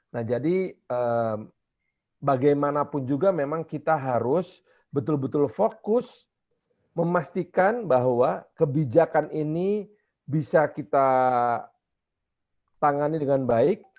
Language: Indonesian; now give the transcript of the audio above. nah jadi bagaimanapun juga memang kita harus betul betul fokus memastikan bahwa kebijakan ini bisa kita tangani dengan baik